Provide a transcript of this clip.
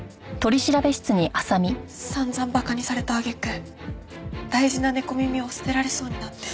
散々馬鹿にされた揚げ句大事な猫耳を捨てられそうになって。